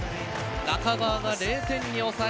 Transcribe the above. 中川が０点に抑えました。